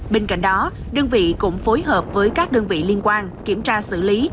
bên cạnh đó đơn vị cũng phối hợp với các đơn vị liên quan kiểm tra xử lý